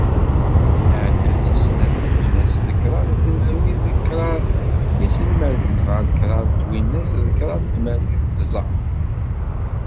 Nɛedda seg snat twinas d kraḍ tmerwin d kraḍ n yiselmaden, ɣer kraḍ twinas d kraḍ tmerwin d tẓa.